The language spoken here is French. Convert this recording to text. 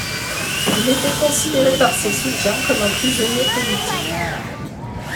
Il était considéré par ses soutiens comme un prisonnier politique.